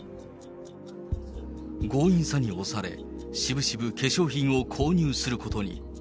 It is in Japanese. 強引さに押され、しぶしぶ化粧品を購入することに。